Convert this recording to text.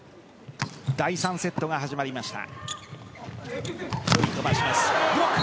第３セットが始まりました。